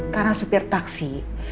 karena supir taksi